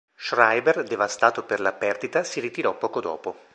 Schreiber devastato per la perdita si ritirò poco dopo.